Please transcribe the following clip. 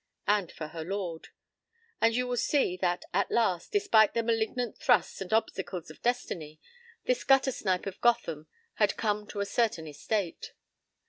And for her lord. For you will see that at last, despite the malignant thrusts and obstacles of destiny, this gutter snipe of Gotham had come to a certain estate.